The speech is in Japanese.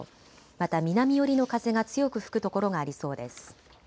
また南寄りの風が強く吹く所がありそうです。